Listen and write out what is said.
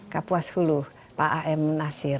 kapuas hulu pak a m nasir